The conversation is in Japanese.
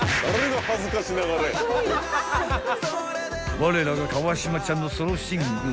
［われらが川島ちゃんのソロシングル］